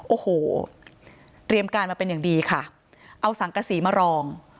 โอ้โหเตรียมการมาเป็นอย่างดีค่ะเอาสังกษีมารอง